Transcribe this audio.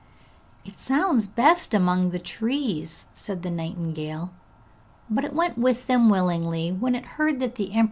'It sounds best among the trees,' said the nightingale, but it went with them willingly when it heard that the emperor wished it.